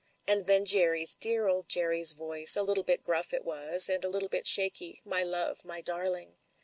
And then Jerry's, dear old Jerry's voice — a little bit gruff it was, and a little bit shaky: "My love! My darling!"